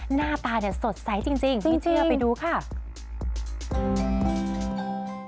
หน้าตาเนี่ยสดใสจริงไม่เชื่อไปดูค่ะ